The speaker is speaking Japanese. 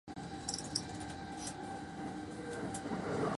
あなたは人です